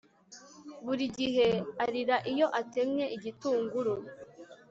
Buri gihe arira iyo atemye igitunguru